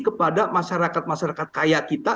kepada masyarakat masyarakat kaya kita